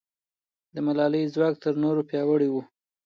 د ملالۍ ځواک تر نورو پیاوړی و.